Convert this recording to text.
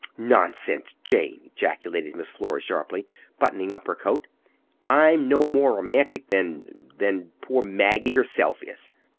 "Nonsense, Jane!" ejaculated Miss Flora sharply, buttoning up her coat. "I'm no more romantic than—than poor Maggie herself is!"